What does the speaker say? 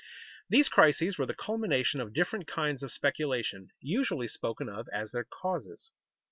These crises were the culmination of different kinds of speculation, usually spoken of as their causes.